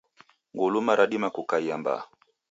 Nguluma radima kukaia mbaa.